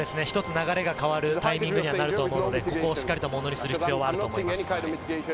流れが変わるタイミングになると思うので、ここをしっかりとものにする必要があると思います。